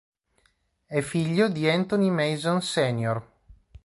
È figlio di Anthony Mason sr.